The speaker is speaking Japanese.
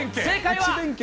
正解は。